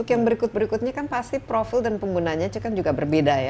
yang berikut berikutnya kan pasti profil dan penggunanya kan juga berbeda ya